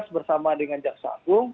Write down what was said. bersama dengan jaksa agung